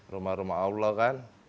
rumah rumah allah kan